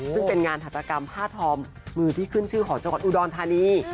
ซึ่งเป็นงานหัตกรรมผ้าทอมมือที่ขึ้นชื่อของจังหวัดอุดรธานี